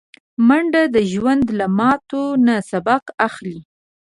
منډه د ژوند له ماتو نه سبق اخلي